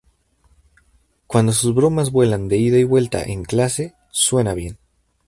Cuando sus bromas vuelan de ida y vuelta en clase, suena bien.